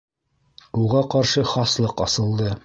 Уға ҡаршы хаслыҡ асылды!